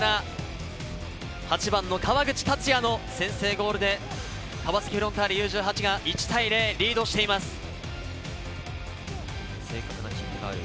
８番の川口達也の先制ゴールで川崎フロンターレＵ−１８が１対０、リードしています。